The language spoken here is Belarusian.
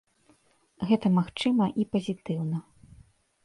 Гэта магчыма і пазітыўна.